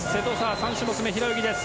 ３種目め、平泳ぎです。